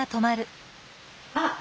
あっ！